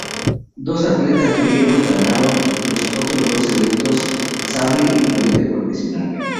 Dos atletas griegos ganaron los otros dos eventos, sable y florete profesional.